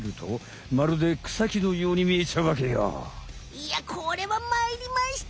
いやこれはまいりました。